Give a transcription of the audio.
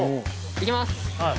行きます！